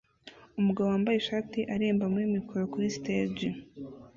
Umugabo wambaye ishati aririmba muri mikoro kuri stage